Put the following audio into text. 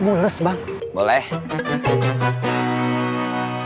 mau ke wc mulus bang boleh bang